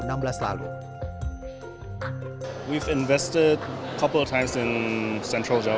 kami telah berinvestasi beberapa kali di jawa tengah